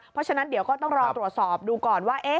เพราะฉะนั้นเดี๋ยวก็ต้องรอตรวจสอบดูก่อนว่า